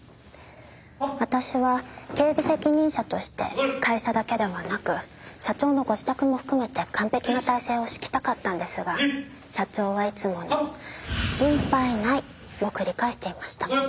私は警備責任者として会社だけではなく社長のご自宅も含めて完璧な態勢を敷きたかったんですが社長はいつもの「心配ない」を繰り返していました。